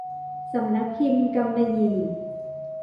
สำนักพิมพ์กำมะหยี่